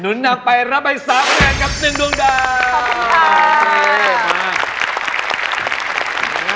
นุนนำไปรับไป๓แหล่งกับ๑ดวงดาว